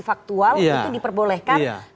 faktual itu diperbolehkan